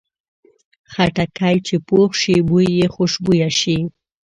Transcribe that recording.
خټکی چې پوخ شي، بوی یې خوشبویه شي.